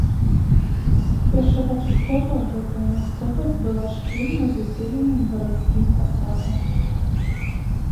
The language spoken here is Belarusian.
Першапачаткова гэтая мясцовасць была шчыльна заселеным гарадскім пасадам.